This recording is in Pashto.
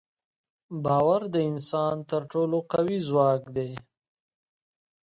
باور د انسان تر ټولو قوي ځواک دی.